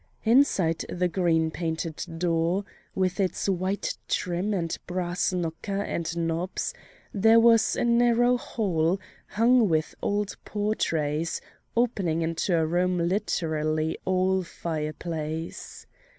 Inside the green painted door, with its white trim and brass knocker and knobs, there was a narrow hall hung with old portraits, opening into a room literally all fireplace.